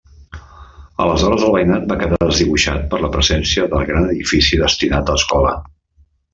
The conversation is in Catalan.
Aleshores el veïnat va quedar desdibuixat per la presència del gran edifici destinat a escola.